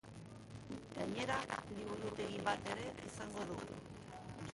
Gainera, liburutegi bat ere izango du.